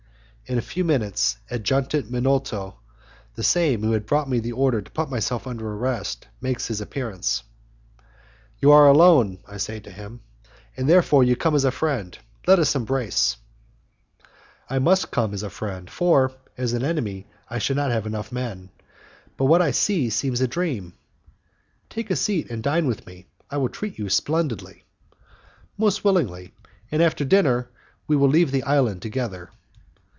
In a few minutes, Adjutant Minolto, the same who had brought me the order to put myself under arrest, makes his appearance. "You are alone," I say to him, "and therefore you come as a friend. Let us embrace." "I must come as a friend, for, as an enemy, I should not have enough men. But what I see seems a dream." "Take a seat, and dine with me. I will treat you splendidly." "Most willingly, and after dinner we will leave the island together."